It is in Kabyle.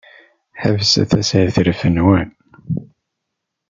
Ḥebset ashetref-nwen!